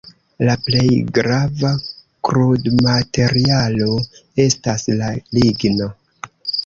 La plej grava krudmaterialo estas la ligno.